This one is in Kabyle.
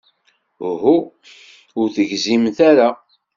Uhu, ur tegzimt ara.